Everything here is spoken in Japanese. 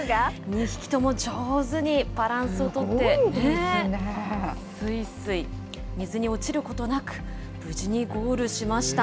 ２匹とも上手にバランスを取ってね、すいすい、水に落ちることなく、無事にゴールしました。